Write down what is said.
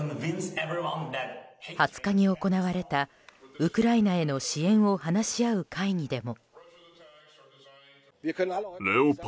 ２０日に行われたウクライナへの支援を話し合う会議でも。